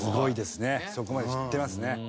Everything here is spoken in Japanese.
そこまでいってますね。